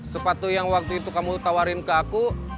sepatu yang waktu itu kamu tawarin ke aku